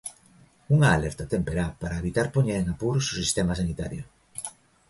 Unha alerta temperá para evitar poñer en apuros o sistema sanitario.